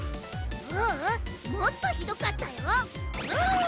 ううんもっとひどかったよ。